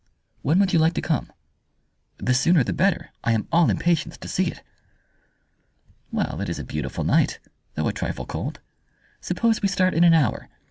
"When would you like to come?" "The sooner the better. I am all impatience to see it." "Well, it is a beautiful night though a trifle cold. Suppose we start in an hour.